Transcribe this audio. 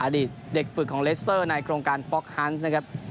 อดีตเด็กฝึกของเลสเตอร์ในโครงการฟ็อกฮันส์นะครับ